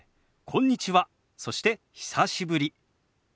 「こんにちは」そして「久しぶり」。